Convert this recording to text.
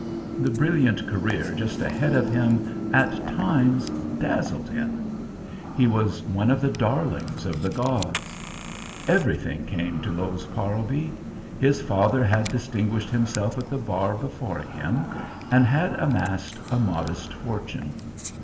The brilliant career just ahead of him at times dazzled him. He was one of the darlings of the gods. Everything came to Lowes Parlby. His father had distinguished himself at the bar before him, and had amassed a modest fortune.